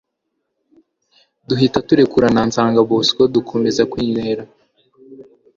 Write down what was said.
duhita turekurana nsanga bosco dukomeza kwinywera